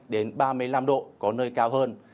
đến ba mươi năm độ có nơi cao hơn